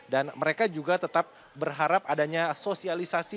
dan mereka juga tetap berharap adanya sosialisasi